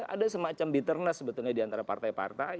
ada semacam bitterness sebetulnya di antara partai partai